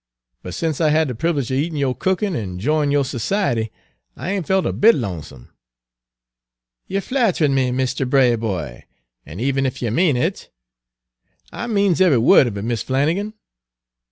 But sence I had de privilege er eatin' yo' cookin' an' 'joyin' yo' society, I ain' felt a bit lonesome." "Yer flatthrin' me, Misther Braboy. An' even if ye mane it" "I means eve'y word of it, Mis' Flannigan."